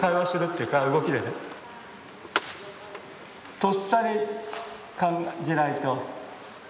とっさに感じないと。